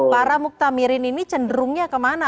para muktamirin ini cenderungnya kemana